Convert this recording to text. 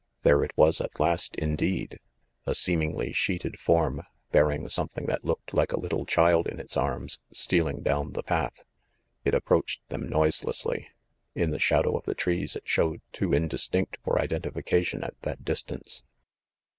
There it was at last, indeed, ‚ÄĒ a seemingly sheeted form, bearing something that looked like a little child in its arms, stealing down the path! It approached them noiselessly. In the shadow of the trees it showed too indistinct for identification at that distance.